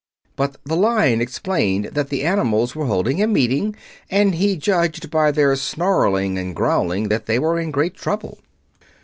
But the Lion explained that the animals were holding a meeting, and he judged by their snarling and growling that they were in great trouble.